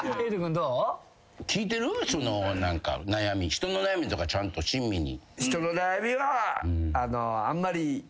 人の悩みとかちゃんと親身に。